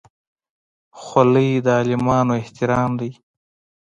خولۍ د عالمانو احترام دی.